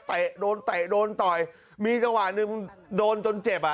โดนเตะโดนต่อยมีจังหวะหนึ่งโดนจนเจ็บอ่ะ